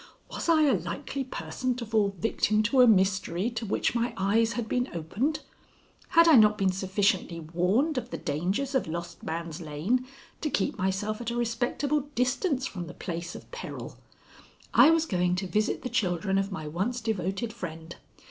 Was I a likely person to fall victim to a mystery to which my eyes had been opened? Had I not been sufficiently warned of the dangers of Lost Man's Lane to keep myself at a respectable distance from the place of peril? I was going to visit the children of my once devoted friend.